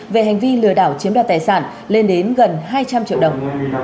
về hành vi lừa đảo chiếm đoạt tài sản lên đến gần hai trăm linh triệu đồng